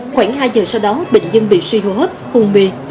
khoảng hai giờ sau đó bệnh nhân bị suy hô hấp hôn mê